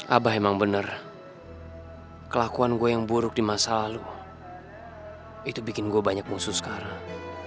abah emang bener kelakuan gue yang buruk di masa lalu itu bikin gue banyak musuh sekarang